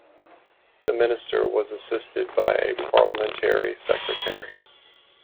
The Minister was assisted by a Parliamentary Secretary.